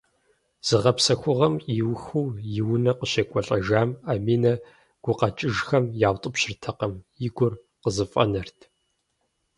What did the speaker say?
Зыгъэпсэхугъуэр иухыу и унэ къыщекӏуэлӏэжам, Аминэ гукъэкӏыжхэм яутӏыпщыртэкъым, и гур къызэфӏэнэрт.